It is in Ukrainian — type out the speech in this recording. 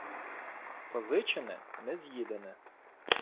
Позичене — не з'їдене.